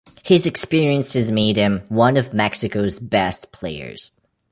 His experience has made him one of Mexico's best players.